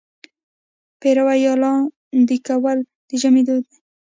پېروی یا لاندی کول د ژمي دود دی.